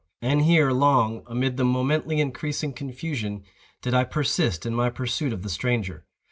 And here, long, amid the momently increasing confusion, did I persist in my pursuit of the stranger.